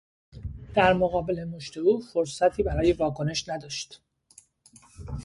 در مقابل مشت او فرصتی برای واکنش نداشت